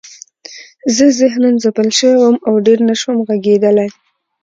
زه ذهناً ځپل شوی وم او ډېر نشوم غږېدلی